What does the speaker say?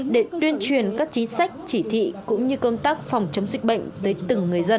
để tuyên truyền các chính sách chỉ thị cũng như công tác phòng chống dịch bệnh tới từng người dân